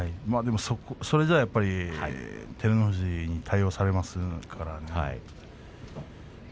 それだったら照ノ富士に対応されますからね。